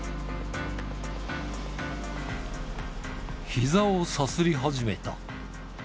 ひざをさすり始めた。